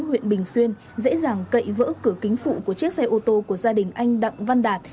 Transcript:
huyện bình xuyên dễ dàng cậy vỡ cửa kính phụ của chiếc xe ô tô của gia đình anh đặng văn đạt